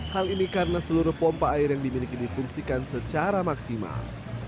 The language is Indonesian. hal ini karena seluruh pompa air yang dimiliki difungsikan secara maksimal